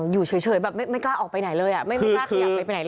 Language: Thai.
อยู่เฉยแบบไม่กล้าออกไปไหนเลยไม่กล้าขยับอะไรไปไหน